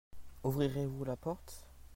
Ouvrirez-vous la porte ?